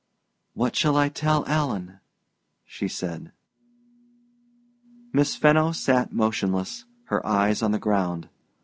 "What shall I tell Alan?" she said. Miss Fenno sat motionless, her eyes on the ground.